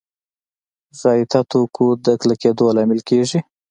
غایطه توکو د کلکېدو لامل کېږي.